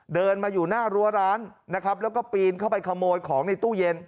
เดินมาอยู่หน้ารั้วร้านนะครับแล้วก็ปีนเข้าไปขโมยของในตู้เย็น